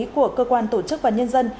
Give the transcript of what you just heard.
của cơ quan tổ chức và nhân dân